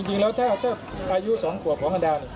แต่จริงแล้วถ้าอายุสองขวบของอันดา